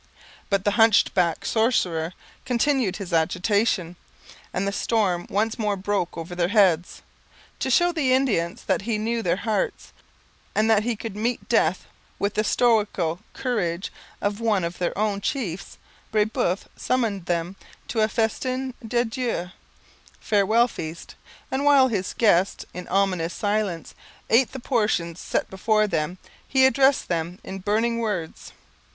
But the hunch backed sorcerer continued his agitation and the storm once more broke over their heads. To show the Indians that he knew their hearts, and that he could meet death with the stoical courage of one of their own chiefs, Brebeuf summoned them to a festin d'adieua farewell feast and while his guests, in ominous silence, ate the portions set before them he addressed them in burning words.